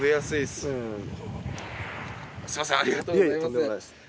すみませんありがとうございます。